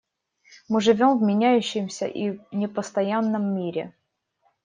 Мы живем в меняющемся и непостоянном мире.